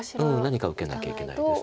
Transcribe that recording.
何か受けなきゃいけないです。